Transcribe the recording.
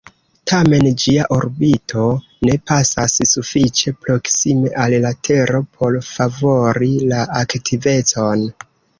Tamen, ĝia orbito ne pasas sufiĉe proksime al la tero por favori la aktivecon.